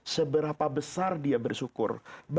seberapa besar dia bersyukur